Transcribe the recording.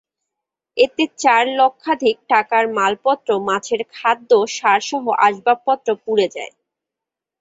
এতে চার লক্ষাধিক টাকার মালপত্র মাছের খাদ্য, সারসহ আসবাবপত্র পুড়ে যায়।